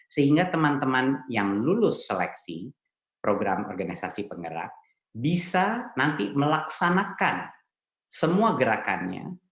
sehingga teman teman yang lulus seleksi program organisasi penggerak bisa nanti melaksanakan semua gerakannya